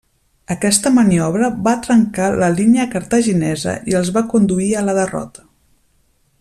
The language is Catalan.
Aquesta maniobra va trencar la línia cartaginesa i els va conduir a la derrota.